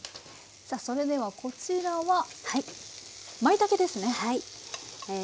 さあそれではこちらはまいたけですね。